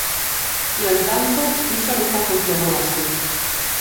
No entanto, iso nunca funcionou así.